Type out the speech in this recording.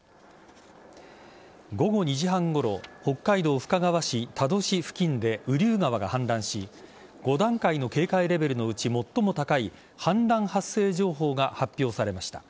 午後２時半ごろ北海道深川市多度志付近で雨竜川が氾濫し５段階の警戒レベルのうち最も高い氾濫発生情報が発表されました。